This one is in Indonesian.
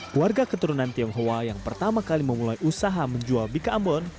keluarga keturunan tionghoa yang pertama kali memulai usaha menjual bika ambon